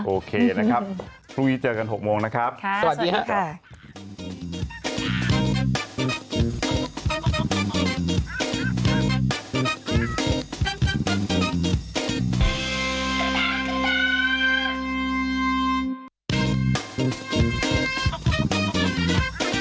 โอเคนะครับคุณผู้ชายเจอกัน๖โมงนะครับ